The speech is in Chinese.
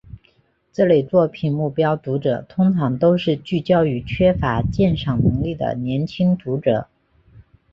这类作品目标读者通常都是聚焦于缺乏鉴赏能力的年轻读者。